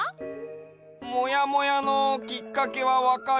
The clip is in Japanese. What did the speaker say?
モヤモヤのきっかけはわかる？